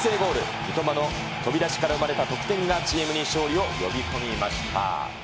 三笘の飛び出しから生まれた得点がチームに勝利を呼び込みました。